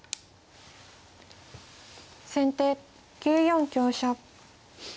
先手９四香車。